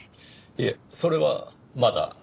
いえそれはまだ。